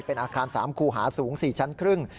เป็นอาคาร๓คู่หาสูง๔ชั้นครึ่ง